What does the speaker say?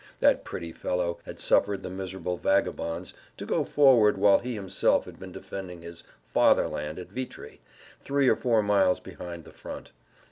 That pretty fellow had suffered the "miserable vagabonds" to go forward while he himself had been defending his "Fatherland" at Vitry, three or four miles behind the front.